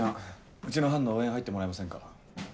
うちの班の応援入ってもらえませんか？